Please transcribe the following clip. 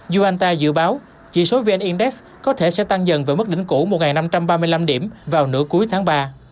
unta dự báo chỉ số vn index có thể sẽ tăng dần về mức đỉnh cũ một năm trăm ba mươi năm điểm vào nửa cuối tháng ba